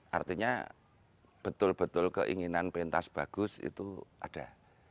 artinya betul betul keinginan pentas bagus itu ada